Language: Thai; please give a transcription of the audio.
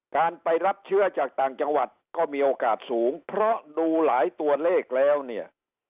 การไปรับเชื้อจากต่างจังหวัดก็มีโอกาสสูงเพราะดูหลายตัวเลขแล้วเนี่ย